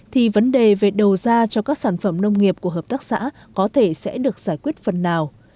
thì vấn đề về đầu ra cho các sản phẩm nông nghiệp của hợp tác xã có thể sẽ được giải quyết phần nào